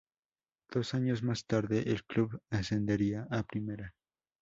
Dos años más tarde el club ascendería a Primera.